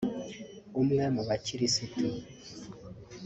umwe mubakirisitu